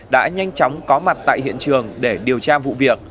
đã nhanh chóng có mặt tại hiện trường để điều tra vụ việc